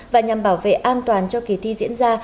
và nhằm bảo vệ an toàn cho kỳ thi diễn ra